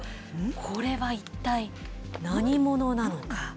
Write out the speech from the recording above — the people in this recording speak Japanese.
これは一体何者なのか。